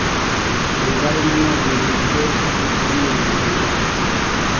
Imibare na none ni twe tuyiyongereyeho,